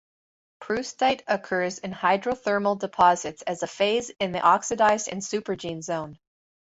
Proustite occurs in hydrothermal deposits as a phase in the oxidized and supergene zone.